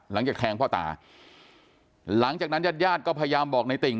หลังจากแทงพ่อตาหลังจากนั้นญาติญาติก็พยายามบอกในติ่ง